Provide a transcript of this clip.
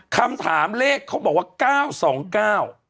คำถามเลขเขาบอกว่า๙๒๙